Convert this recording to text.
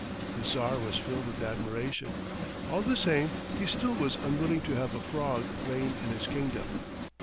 The Tsar was filled with admiration. All the same he still was unwilling to have a frog reign in his kingdom.